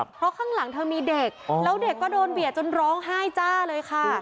เพราะข้างหลังเธอมีเด็กแล้วเด็กก็โดนเบียดจนร้องไห้จ้าเลยค่ะ